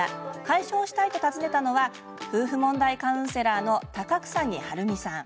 解消したいと訪ねたのは夫婦問題カウンセラーの高草木陽光さん。